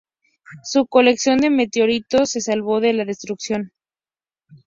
Su colección de meteoritos se salvó de la destrucción.